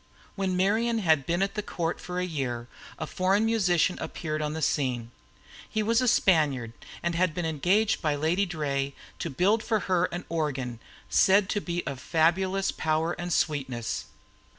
When Marian had been at the Court for a year, a foreign musician appeared on the scene. He was a Spaniard, and had been engaged by Lady Draye to build for her an organ said to be of fabulous power and sweetness.